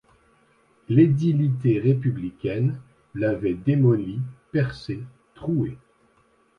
L’édilité républicaine l’avait démoli, percé, troué.